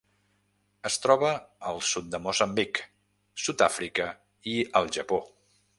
Es troba al sud de Moçambic, Sud-àfrica i el Japó.